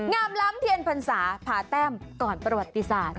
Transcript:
ล้ำเทียนพรรษาผ่าแต้มก่อนประวัติศาสตร์